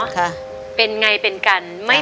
ขอบคุณครับ